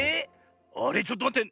あれちょっとまって。